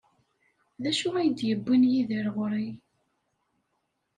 D acu ay d-yewwin Yidir ɣer-i?